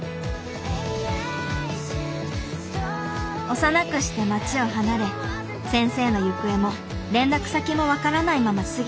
幼くして町を離れ先生の行方も連絡先も分からないまま過ぎた１２年。